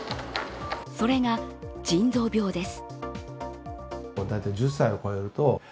それが、腎臓病です。